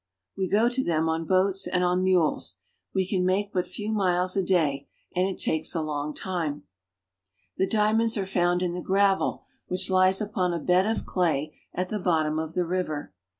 We go to them on boats and on mules; we can make but few miles a day, and it takes a long time. The diamonds are found in the gravel which lies upon a bed of clay at the bottom of the river.